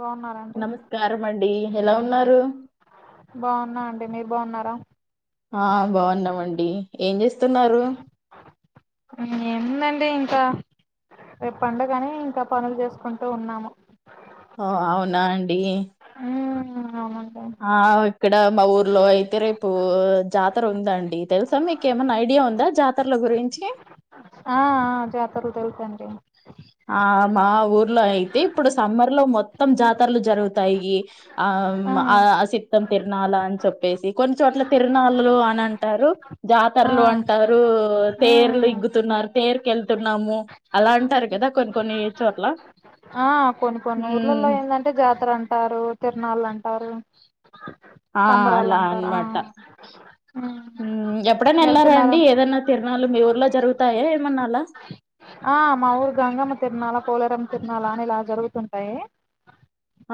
బాగున్నారండి నమస్కారం అండీ ఎలా ఉన్నారు బాగున్నా అండి మీరు బాగున్నారా డి ఏముందండి ఇంకా రేపు పండగ అని ఇంకా పనులు చేసుకుంటూ ఉన్నాము ఓ అవునా అండి ఉమ్ అవునండి ఆ ఇక్కడ మా ఊరు లో అయితే రేపు జాతర ఉందండి, తెలుసా మీక ఏమన్నా ఐడియా ఉందా జాతరల గురించి ర తెలుసండి ఆ మా ఊర్లో అయితే ఇప్పుడు సమ్మర్ లో మొత్తం జాతరలు జరుగుతాయి, ఆ అ సిత్తం తిరనాలా అని చెప్పేసి కొ చోట్ల తిరునాల్ లు అని అంటారు ఆ జాతరలు అంటారు తేర్లు ఉమ్ ఇగ్గుతున్నారు తేరుకెళ్తున్నాము అలా అంటారు కదా కొని కొన్నీ చొట్ల హా కొన్ని కొన్ని ఊర్లల్లో ఏందంటె జాతర అంటారు తిరునాళ్ళు అంటారు ఆ సంబరాలు అలా అంటారు ఆ అన్మాట ఉమ్ ఎప్పుడన్న ఎల్లార వెళ్తున్నారా అండి ఏదన్న తిర్ నాలు మీ ఊర్లో జరుగుతాయ ఏమన్నా అలా ఆ మా ఊరు గంగమ్మ తిర్నాల పొలేరం తిర్నాల అని ఇలా జరుగుతుంటయి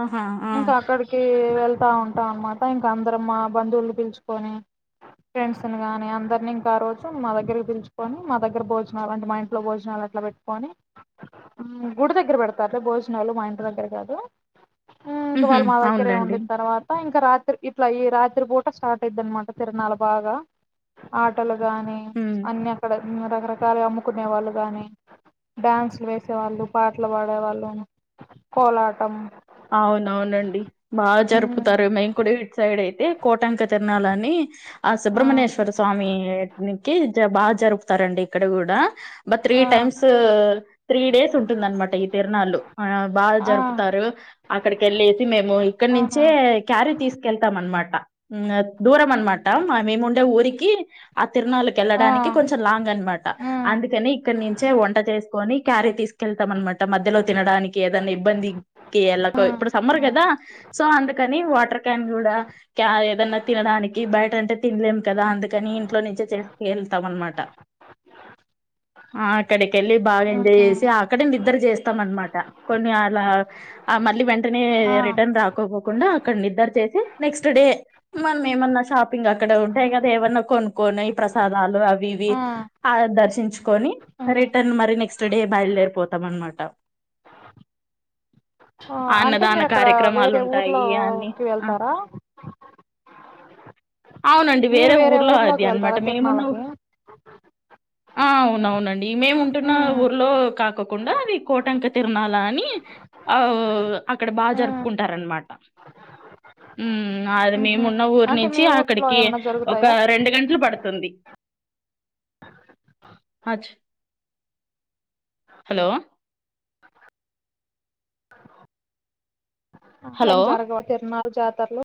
ఆహా! ఆ! ఇంక అక్కడికి వెళ్తా ఉంటాం అన్మట ఇంక అందరం మా బంధువులు పిల్చుకొని ఫ్రెండ్స్ ని గాని అందరిని ఇంక ఆ రోజు మా దగ్గరికి పిల్చుకొని మా దగ్గర భోజనాలంట మా ఇంట్లో భోజ భోజనాలు అట్లా పెట్టుకొని గుడి దగ్గర పెడతార్లే భోజనాలు మా ఇంటి దగ్గర కాదు ఊమ్ ఇంక హుహు. వాళ్ మా దగ్గరే అవునులెండి. ఉండిన్ తర్వాత త ఇంక రాత్రి ఇట్ల ఈ రాత్రి పూట స్టార్ట్ అయిద్ధి అన్మాట తిర్నాల బాగా ఆటల గానీ హ్మ్. అన్ని అక్కడె ఉ రకరకాలుగ అమ్ముకునె వాళ్ళు గానీ డాన్సులు వేసే వాళ్ళు పాట్లు పాడే వాళ్ళు కోలాటం అవునవునండి బా జరుపుతారు మేం కూడ ఇట్ సైడె ది కోటంక తిర్నాలని ఆ సుబ్రమణ్యేశ్వర స్వామిఎట్నికి బా జరుపుతారండి ఇక్కడ కూడా బట్ త్రీ ఆ ఆ టైమ్స్ త్రీ డేస్ ఉంటుందన్మాట ఇ తిర్నాళ్ళు ఆ బా ఆ జరుపుతారు అక్కడికెళ్ళేసి మేము ఆహా ఇక్కడ్నించే క్యారీ తీస్కెళ్తాం అన్మాట దూరం అన్మాట మేము ఉండె ఊరికి ఆ ఆ తిర్ణళ్ళకేళ్ళడానికి కొంచెం లాంగ్ అన్మాట ఆ అందుకని ఇక్కడ్నించె వంట చేసుకొని క్యారి తీసుకెళ్తాం అన్మాట మధ్యలో తినడానికి ఏదన్న ఇబ్బందికి ఎల ఆ సమ్మర్ ఆ కదా సో అందుకని వాటర్ క్యాన్ కూడా క్య ఏదన్న తినడానికి బయట అంటే తినలేం కద అందుకని ఇంట్లో నుంచే చేసుకేళ్తాం అన్మాట ఆ అక్కడె ఎల్లి బాగ ఎంజయ్ ఆహా చేసి అక్కడె నిద్దర చేస్తం అన్మాట ట కొన్ని అలా ఆ మ మళ్ళీ వెన్ టనే ఆ రిటర్న్ రాకొకకుండా అక్కడ నిద్దర్ చేసి నెక్స్ట్ డే మన్మేమన్న షాపింగ్ అక్కడ ఉంటయ్ కద ఏమన్న కొనుకునై ప్రసాదాలు అవి ఇవి ఆ దర్శించుకొని ఆ రిటర్న్ మరి నెక్స్ట్ డే బయల్ దేర్పోతాం అన్మాట అంటే మీరు అక్కడ వేరే అన్ని ఊర్లోకి ఆ ఏళ్తారా అవునండి మీరు వేరే ఊర్లో అది ఊర్లోకి వెళ్తారా అన్మాట మేమున్నవు తిరునాళ్ళకి ఆ అవునవునండి మేము ఉంటున్న ఉమ్ ఊర్లో కాకొకుండా అది కోటంక తిర్నాల అనీ ఆ ఓ అక్కడ బా ఉమ్ జరుపుకుంటారన్మాట ఊమ్ అది ఉహు మేమున్ న్న ఊరి అంటే నించి మీ ఊర్లో అక్కడికి ఏమన్నా ఒక జరుగుతాయా రెండు గంట్లు పడుతుంది హలో ఇట్లెం హలో! జరగవ్ తిరునాల్ జాతర్లు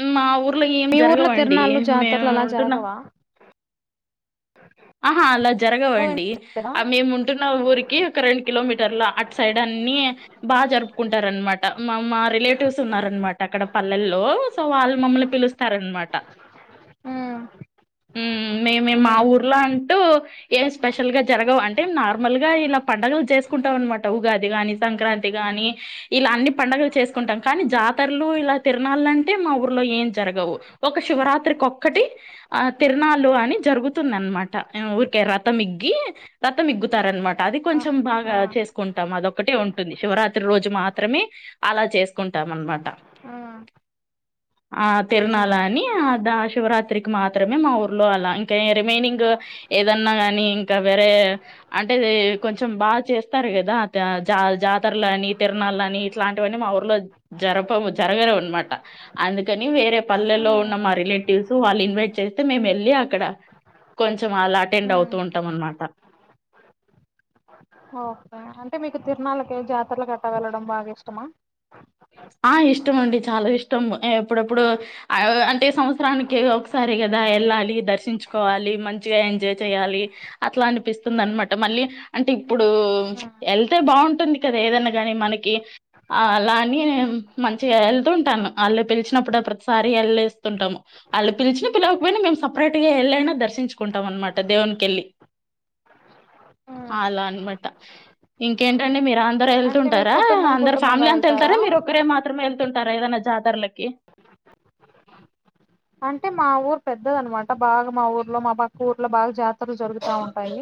హ్మ్ మా ఊర్ మీ ఊర్లో తిరునాళ్ళలు జాతరలు అలా జరగవా. ఆహా అలా జరగవండి కదా ఆ మేము ఉంటున్న ఊరికి ఒక రెండు కిలోమీ అట్ సైడ్ అన్ని బాగా జరుపుకుంటార అనమాట మా మా రిలేటివ్స్ ఉన్ననమాట అక్కడ పల్లెల్లో సో వాళ్ళు మమ్మల్ని పిలుస్తారనమాట. ఉమ్ హ్మ్ మేమే మా ఉమ్ ఊరు. అంటూ ఏం స్పెషల్ గా జరగవు అంటే నార్మల్ గా ఇలా పండుగలు చేసుకుంటాం అనమాట ఉగాది గాని సంక్రాంతి గాని ఇలా అన్ని పండుగలు చేసుకుంటాం కానీ జాతరలు ఇలా తిరణాల అంటే మా ఊర్లో ఏం జరగవు ఒక శివరాత్రికి ఒక్కటి ఆ తిరనాలు అని జరుగుతున్నా అనమాట ఊరికే రతం ఇగ్గి రతం ఇగ్గుతారునమాట అది కొంచెం ఆ బాగా చేసుకుంటాం అదొక్కటే ఉంటుంది శివరాత్రి రోజు మాత్రమే అలా చేసుకుంటాంనమాట ఆ ఆ ఆ ఆహా తీరణాలు అని అద శివరాత్రికి మాత్రమే మా ఊర్లో అలా ఇంకా రిమైనింగ్ ఏదన్నా కాని ఇంకా వేరే అంటే కొంచెం బాగా చేస్తారు కదా జా జాతరలు అని తీరణాలు ఇట్లాంటివన్న మా ఊర్లో జరప జరగవు అనమాట అందుకని వేరే పల్లెల్లో ఉమ్ ఉన్న మా రిలేటివ్స్ వాళ్ళు ఇన్వైట్ చేస్తే మేము వెళ్ళి అక్కడ. కొంచెం అలా అటెండ్ ఉమ్ అవుతూ ఉంటాం అన్నమాట ఓకే అంటే మీకు తిరనాలక జాతరల అట్లా వెళ్ళడం బాగా ఇష్టమా ఆ ఇష్టం అండి చాలా ఇష్టం ఎప్పుడప్పుడు అంటే సంవత్సరానికి ఒకసారి కదా వెళ్ళాలి దర్శించుకోవాలి మంచిగా ఎంజాయ్ చేయాలి అట్ల అనిపిస్తుంది అనమాట మళ్ళీ అంటే ఇప్పుడు వెళ్తే బాగుంటుంది కదా ఏదన్నా గాని మనకి ఆ అలా అ నేను మంచిగా వెళ్తుంటాను వాళ్ళు పిలిచినప్పుడు ప్రతిసారి వెళ్ళేస్తుంటాము వాళ్ళు పిలిచిన పిలవకపోయినా మేము సపరేట్ గా ఎళ్ళైనా దర్శించుకుంటాం అనమాట దేవునికి వెళ్ళి అలా అనమాట ఇంకేంటండి మీరు అ అంటే మీరు వెళ్తుంటారా కుటుంబం అందరు కుటుంబంగా ఫ్యామిలీ అం వెళ్తారా మీరు ఒకరే మాత్రమే వెళ్తుంటారా ఏదైనా జాతరలకి అంటే మా ఊరు పెద్దది అనమాట బాగా మా ఊర్లో మా పక్క ఊర్లో బాగా జాతరలు జరుగుతా ఉంటాయి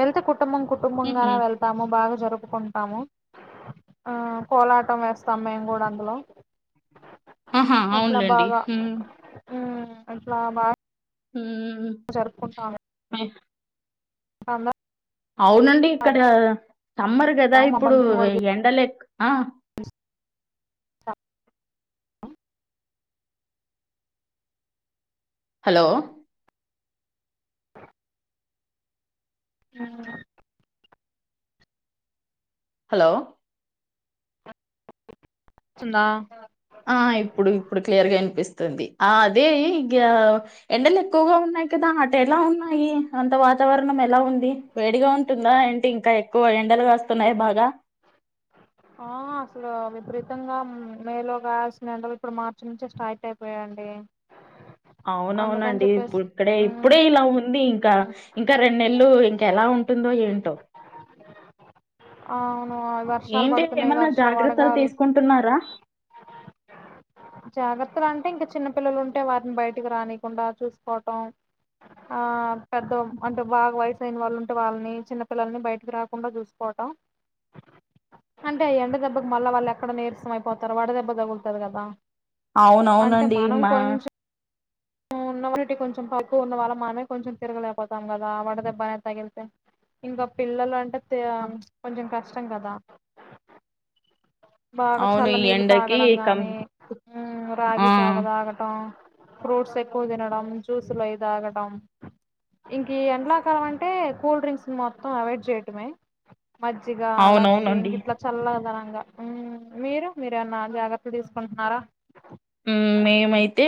వెళ్తే కు కుటుంబం ఉహు కుటుంబంగానే వెళ్తాము బాగా జరుపుకుంటాము ఆ కోలాటం వేస్తాం మేము కూడా అందులో ఆహా అవునులేండి హు హ్మ్ అట్ల బాగ హ్మ్ అంద అవునండి ఇక్కడ సమ్మర్ కదా వస్తాము, మా ఇప్పుడు బంధువులు కూడా ఎండలే ఆ త హలో ఆ హలో వస్తుందా ఆ ఇప్పుడు ఇప్పుడు క్లియర్ గా వినిపిస్తుంది ఆ అదే ఎండలు ఎక్కువగా ఉన్నాయి కదా అటు ఎలా ఉన్నాయి అంత వాతావరణం ఎలా ఉంది వేడిగా ఉంటుందా ఏంటే ఇంకా ఎక్కువ ఎండలుగా కాస్తున్నాయి బాగా ఆ అసలు విపరీతంగా మేలో కాసిన ఎండలు ఇప్పుడు మార్చి నుంచి స్టార్ట్ అయిపోయాండి అవునవునండి ఇప్పుడు ఇక్కడే ఇప్పుడే ఇలా ఉంది ఇంకా ఇంకా రెండు నేళ్లు ఇంక ఎలా ఉంటుందో ఏంటో అవును వర్షాలు ఏంటి పడుతున్నాయి ఏమన్నా వర్ష జాగ్రత్తలు వడగాలు తీసుకుంటున్నారా జాగ్రత్తలు అంటే ఇంకా చిన్నపిల్లలు ఉంటే వారిని బయటికి రానీకుండా చూసుకోవటం ఆ పెద్ద అంటే బాగా వయసు అయిన వాళ్ళు ఉంటే వాళ్ళని చిన్నపిల్లల్ని బయటికి రాకుండా చూసుకోవటం అంటే ఎండ దెబ్బకి మళ్ళా వాళ్ళు ఎక్కడ నీరసం అయిపోతారు వాడ దెబ్బ తగులుతాది కదా అవునువునండి మా ఉన్నమూటి కొంచెం తక్కువ ఉన్న వాళ్ళ మనమే కొంచెం తిరగలేకపోతాం కదా ఆ వాడ దెబ్బనే తగిలితే ఇంకా పిల్లలు అంటే కొంచెం కష్ట కష్టం కదా బాగా అవును చల్ల ఈ నీళ్ళు ఎండకి తాగడం కం గాని ఆ! రాగి జావా తాగటం ఫ్రూట్స్ ఎక్కువ తినడం జ్యూస్లు అవి తాగడం ఇంక ఎండ్లాకాలం అంటే కూల్ డ్రింక్స్ మొత్తం అవాయిడ్ చేయటమే మజ్జిగ లస్సీ అవునవునండి. ఇంకట్లా చల్లదన మ్ మీరు మీరేమన్నా జాగ్రత్తలు తీసుకుంటున్నారా హ్మ్. మేమైతే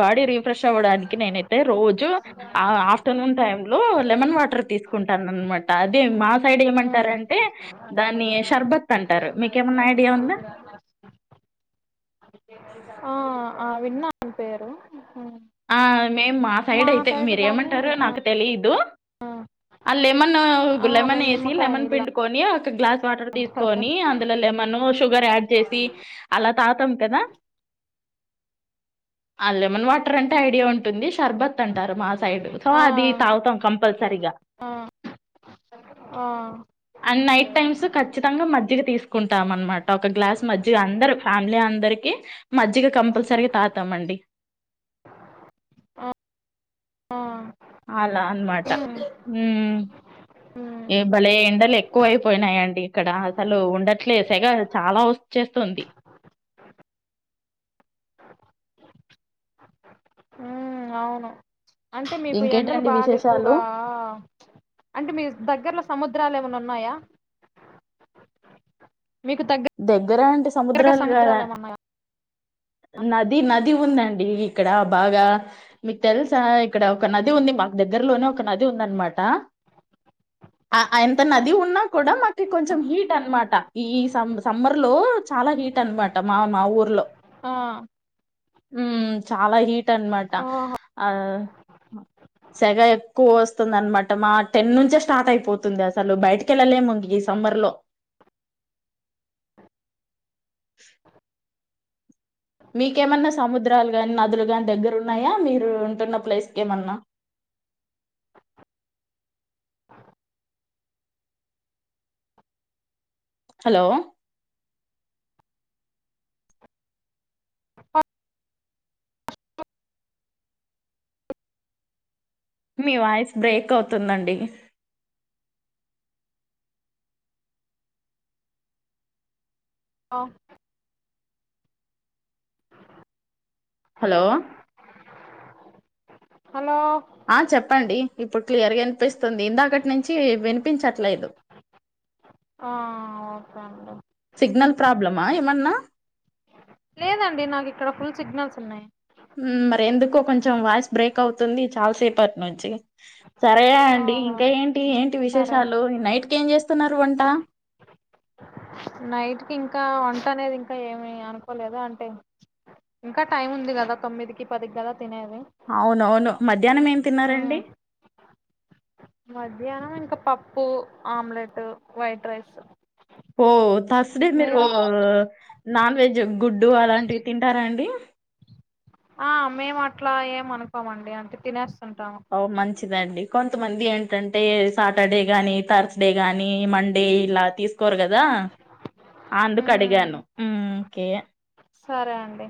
బాడీ రిఫ్రెష్ అవ్వడానికి నేనైతే రోజు ఆ ఆఫ్టర్నూన్ టై లో లెమన్ వాటర్ తీసుకుంటానన్మాట అది మా సైడ్ మ్మ్ ఏమంటారంటే దాన్ని షర్బత్ అంటారు మీకేమన్నా ఐడియా ఉందా ఆ ఆ విన్న నీపేరు ఆ మేము మా సైడ్ అయితే మీరేమంటారు ఆ నాకు తెలిదు ఆళ్ళెమన్న ఒక ఆ లెమన్ మేము వేసి నిమ్మకాయ లెమన్ నీళ్ళ పిండుకొని ఒక గ్లాస్ వాటర్ తీసుకొని అందులో లెమన్ శు షుగర్ యాడ్ చేసి అల తాతం కదా ఆ లెమన్ వాట్ ట్ర ఐడియా ఉంటుంది షర్భత్ అంటారు మా సైడ్ సో ఆ అది తాగుతాం కంపల్సరిగా ఆ ఆ అండ్ నైట్ టైమ్స్ ఖచ్చితంగా మజ్జిగ తీసుకుంటామన్మాట ఒక గ్లాస్ మజ్జిగ అందరూ ఫ్యామిలీ అందరం కి మజ్జిగ కంపల్సరీగా తాగుతామండి ఆ ఆ అలా అన్నమాట మ్మ్ మ్మ్ ఏ భలే ఎండలు ఎక్కువ అయిపోయినాయిండి ఇక్కడ అసలు ఉండట్లే సెగ చాలా వచ్చేస్తుంది ఉమ్ అవును అంటే మీకు ఎండలు ఇంకేటండి బాగా విశేషాలు ఎక్కువగాఆఆ అంటే మీ దగ్గర్లో సముద్ ద్రాలు ఏమైనా ఉన్నాయా మీకు దగ్గరంటె దగ్గరగా సముద్రాలు కాదా ఏమన్నాయా నది నది ఉందండి ఇక్కడ బాగా మీకు తెలుసా ఇక్కడ ఒక నది ఉంది మాకు దగ్గరలోనే ఒక నది ఉందన్నమాట ఆ అంత నది ఉన్నా కూడా మాకు కొంచెం హీట్ అన్నమాట ఈ సమ్ సమ్మర్ లో చాలా హీట్ అన్నమాట మా మా ఊర్లో ఆ హ్మ్ చాలా హీట్ అన్నమాట ఓహో ఆ సెగ ఎక్కువ వస్తుంది అన్నమాట మా టెన్ నుంచే స్టార్ట్ అయిపోతుంది అసలు బయటికి వెళ్ళలేము ఈ సమ్మర్ లో మీకేమన్నా సముద్రాలు గాని నదులు గాని దగ్గరున్నాయా మీరు ఉంటున్న ప్లేస్కేమన్నా హలో మీ వాయిస్ బ్రేక్ అవుతుందండి ఆ హలో హలో ఆ చెప్పండి ఇప్పుడు క్లియర్ గా వినిపిస్తుంది ఇందాకటి నుంచి వినిపించట్లేదు ఆ ఓకే అండి సిగ్నల్ ప్రాబ్లమా ఏమన్నా. లేదండి. నాకు ఇక్కడ పుల్ సిగ్నల్స్ ఉన్నాయి. మ్మ్ మరి ఎందుకో కొంచెం వాయిస్ బ్రేక్ అవుతుంది. చాలాసేపటి నుంచి సరే అండి. ఓహో ఇంకా ఏంటి, ఏంటి సరే విశేషాలు ఈ నైట్ కి ఏం చేస్తున్నారు వం ట్ట నైట్ కి ఇంకా వంట అనేది ఇంకా ఏమి అనుకోలేదు. అంటే ఇంకా టైం ఉంది కదా. తొమ్మిదికి, పదికి కదా. తినేది అవునవును మధ్యాహ్నం ఏం ఉమ్, తిన్నారండి. మధ్యాహ్నం ఇంకా పప్పు, ఆమ్లెట్, వైట్ రైస్. ఓ తర్స్ డే మీరు. నాన్ వెజ్ గుడ్డు అలాంటివి తింటారాండి. ఆ మేము అట్లా ఏమి అనుకోమండి. అంటే తినేస్ ఓ మంచిదండి. కొంతమంది ఏంటంటే సాటర్డే గాని, తర్స్ డే గాని, మండే ఇలా తీసు కోరు కదా అందుకు అడిగాను. ఉమ్ ఉ ఓకే. సరే అండి.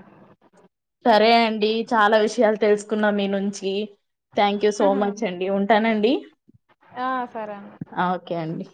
సరే అండి చాలా విషయాలు తెలుసుకున్నా మీ నుంచి. థ్యాంక్ యూ సో మచ్ అండి ఉంటానండి. ఆ సరే అండి ఆ ఓకే అండి.